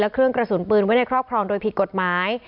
เครื่องกระสุนปืนไว้ในครอบครองโดยผิดกฎหมาย